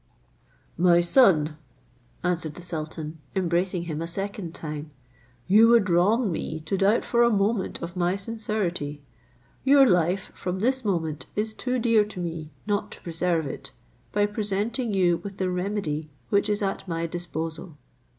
"My son," answered the sultan, embracing him a second time, "you would wrong me to doubt for a moment of my sincerity: your life from this moment is too dear to me not to preserve it, by presenting you with the remedy which is at my disposal.